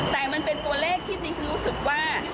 แต่มันเป็นตัวเลขที่ดิฉันรู้สึกว่า